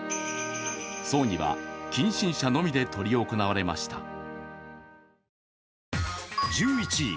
葬儀は近親者のみで執り行われました。